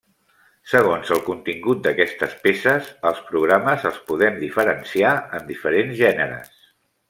Segons el contingut d'aquestes peces, els programes els podem diferenciar en diferents gèneres.